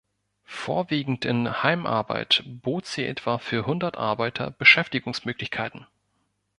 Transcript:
Vorwiegend in Heimarbeit bot sie etwa für hundert Arbeiter Beschäftigungsmöglichkeiten.